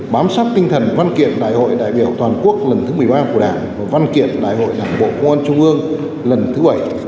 bám sát tinh thần văn kiện đại hội đại biểu toàn quốc lần thứ một mươi ba của đảng và văn kiện đại hội đảng bộ công an trung ương lần thứ bảy